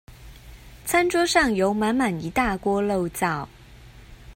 餐桌上有滿滿一大鍋肉燥